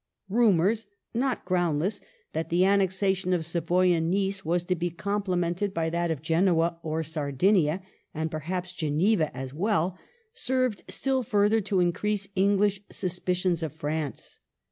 ^ Rumours — not ground less— that the annexation of Savoy and Nice was to be complemented by that of Genoa or Sardinia, and perhaps Geneva as well, served still further to increase English suspicions of France.